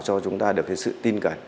cho chúng ta được cái sự tin cận